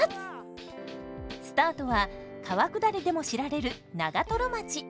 スタートは川下りでも知られる長町。